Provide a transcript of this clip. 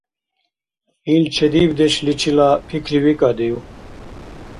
Ил чедибдешличила пикривикӏадив?